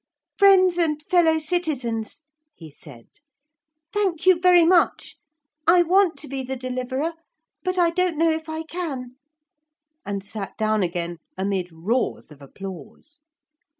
'Friends and fellow citizens,' he said, 'thank you very much. I want to be the Deliverer, but I don't know if I can,' and sat down again amid roars of applause.